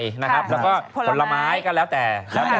แล้วก็ผลไม้ก็แล้วแต่